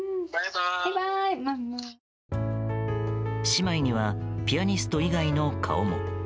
姉妹にはピアニスト以外の顔も。